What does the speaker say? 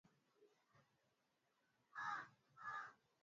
Kundi la dola ya Kiislamu limedai kuhusika